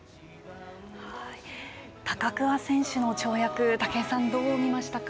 高桑選手の跳躍武井さん、どう見ましたか。